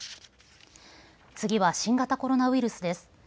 次は新型コロナウイルスです。